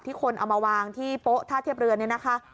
คนเอามาวางที่โป๊ะท่าเทียบเรือเนี่ยนะคะ